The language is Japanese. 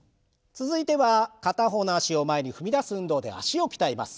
続いては片方の脚を前に踏み出す運動で脚を鍛えます。